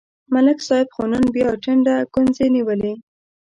ملک صاحب خو نن بیا ټنډه گونځې نیولې